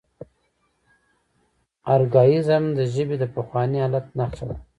ارکائیزم د ژبې د پخواني حالت نخښه ده.